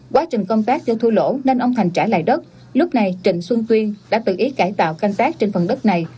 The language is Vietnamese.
quá trình công tác do thua lỗ nên ông thành trả lại đất lúc này trịnh xuân tuyên đã tự ý cải tạo canh tác trên phần đất này